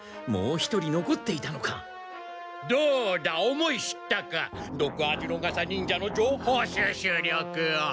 思い知ったかドクアジロガサ忍者の情報収集力を！